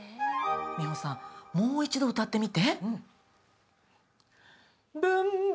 美穂さんもう一度歌ってみて。